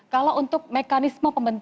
kalau untuk mekanisme pembangunan